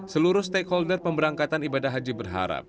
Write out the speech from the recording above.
seluruh stakeholder pemberangkatan ibadah haji berharap